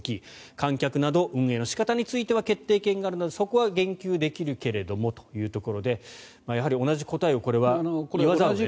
観客など運営の仕方については決定権があるのでそこは言及できるけれどもということですがやはり同じ答えを言わざるを得ないと。